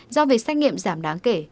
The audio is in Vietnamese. do việc xét nghiệm giảm đáng kể